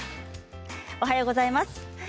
おはようございます。